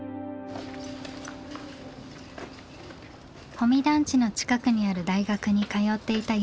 保見団地の近くにある大学に通っていたよっしー。